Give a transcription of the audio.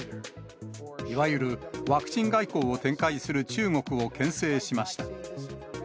いわゆるワクチン外交を展開する中国をけん制しました。